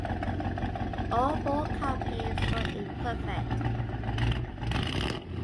All four copies were imperfect.